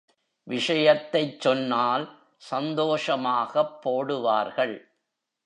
விஷயத்தைச் சொன்னால் சந்தோஷமாகப் போடுவார்கள்.